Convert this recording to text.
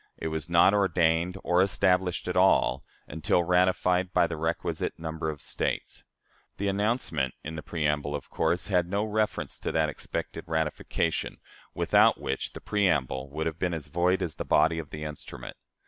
It was not ordained or established at all, until ratified by the requisite number of States. The announcement in the preamble of course had reference to that expected ratification, without which the preamble would have been as void as the body of the instrument.